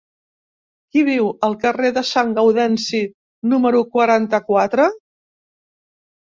Qui viu al carrer de Sant Gaudenci número quaranta-quatre?